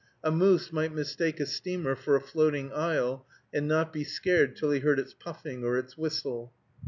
A moose might mistake a steamer for a floating isle, and not be scared till he heard its puffing or its whistle.